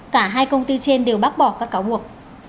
cả hai công ty trên đều bác bỏ các cáo buộc